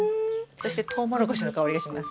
わトウモロコシのいい香りがします。